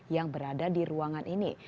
yang berada di ruangan ini